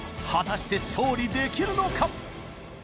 果たして勝利できるのか？